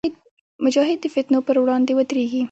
مجاهد د فتنو پر وړاندې ودریږي.